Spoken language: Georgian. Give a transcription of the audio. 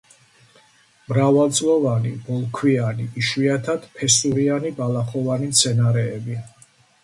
მრავალწლოვანი, ბოლქვიანი, იშვიათად ფესურიანი ბალახოვანი მცენარეები.